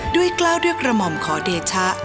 กล้าวด้วยกระหม่อมขอเดชะ